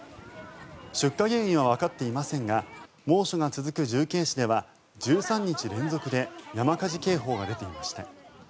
出火原因はわかっていませんが猛暑が続く重慶市では１３日連続で山火事警報が出ていました。